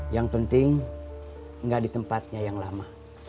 yang penting enggak di tempatnya yang lama